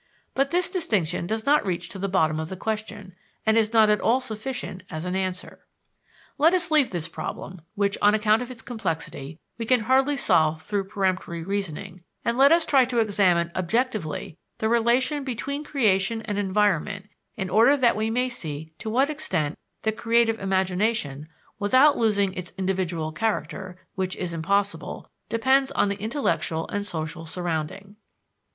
But this distinction does not reach to the bottom of the question, and is not at all sufficient as an answer. Let us leave this problem, which, on account of its complexity, we can hardly solve through peremptory reasoning, and let us try to examine objectively the relation between creation and environment in order that we may see to what extent the creative imagination, without losing its individual character which is impossible depends on the intellectual and social surrounding.